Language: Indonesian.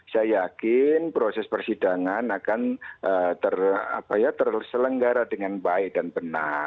saya yakin proses persidangan akan terselenggara dengan baik dan benar